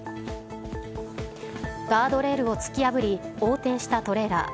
ガードレールを突き破り横転したトレーラー。